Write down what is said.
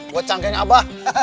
buat canggeng abah